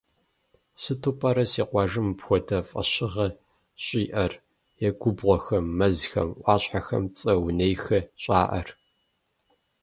Сыту пӏэрэ си къуажэм мыпхуэдэ фӏэщыгъэ щӏиӏэр е губгъуэхэм, мэзхэм, ӏуащхьэхэм цӏэ унейхэр щӏаӏэр?